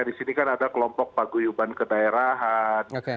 di sini kan ada kelompok paguyuban kedaerahan